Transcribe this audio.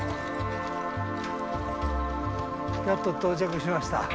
やっと到着しました。